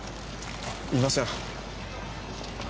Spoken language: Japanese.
いません。